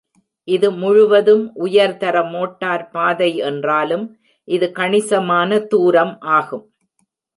இது முழுவதும் உயர்தர மோட்டார் பாதை என்றாலும், இது கணிசமான தூரம் ஆகும்.